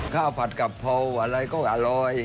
ข้าวผัดกับโผล่อะไรก็อร่อย